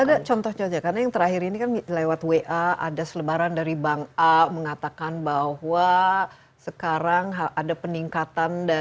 ada contohnya aja karena yang terakhir ini kan lewat wa ada selebaran dari bank a mengatakan bahwa sekarang ada peningkatan